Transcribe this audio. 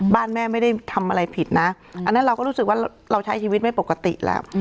แม่ไม่ได้ทำอะไรผิดนะอันนั้นเราก็รู้สึกว่าเราใช้ชีวิตไม่ปกติแล้ว